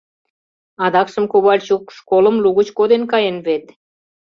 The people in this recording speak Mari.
Адакшым Ковальчук школым лугыч коден каен вет